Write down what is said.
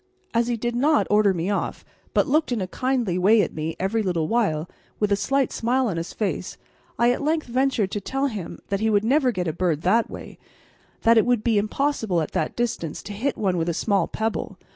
As he did not order me off, but looked in a kindly way at me every little while, with a slight smile on his face, I at length ventured to tell him that he would never get a bird that way that it would be impossible at that distance to hit one with a small pebble.